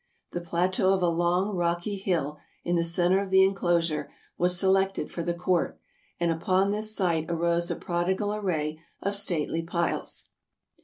The plateau of a long, rocky hill, in the center of the inclosure, was selected for the court, and upon this site arose a prodigal array of stately piles.